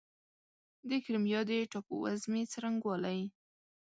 د کریمیا د ټاپووزمې څرنګوالی